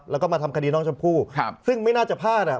แล้วก็มาทำคดีน้องชมพู่ครับซึ่งไม่น่าจะพลาดอ่ะ